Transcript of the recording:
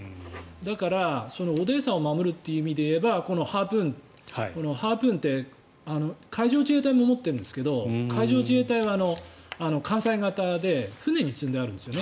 だからオデーサを守るという意味で言えばこのハープーンって海上自衛隊も持っているんですが海上自衛隊は艦船型で船に積んであるんです。